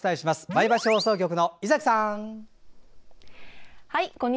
前橋放送局の伊崎さん。